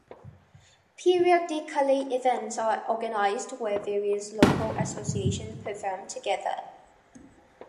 Periodically events are organised where various local associations perform together.